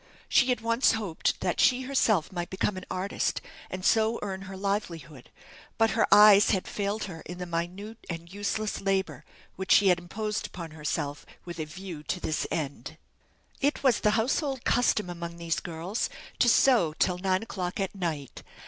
She had once hoped that she herself might become an artist, and so earn her livelihood; but her eyes had failed her in the minute and useless labour which she had imposed upon herself with a view to this end. It was the household custom among these girls to sew till nine o'clock at night.